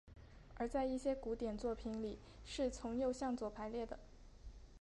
而在一些古典作品里是从右向左排列的。